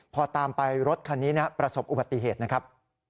พอตามไปรถคันนี้ประสบอุบัติเหตุนะครับ